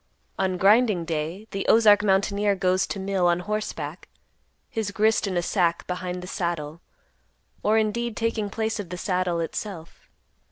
On grinding day, the Ozark mountaineer goes to mill on horse back, his grist in a sack behind the saddle, or, indeed, taking place of the saddle itself.